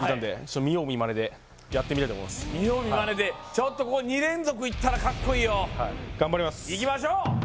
見よう見まねでちょっとここ２連続いったらカッコいいよ頑張りますいきましょう